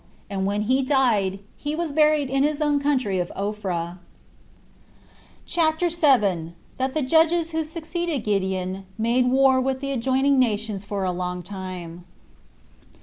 And when he died, he was buried in his own country of Ophrah. CHAPTER 7. That The Judges Who Succeeded Gideon Made War With The Adjoining Nations For A Long Time.